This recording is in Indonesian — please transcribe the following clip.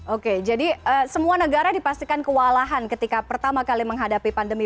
oke jadi semua negara dipastikan kewalahan ketika pertama kali menghadapi pandemi